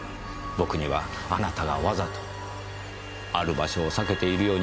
僕にはあなたがわざとある場所を避けているように思えてなりません。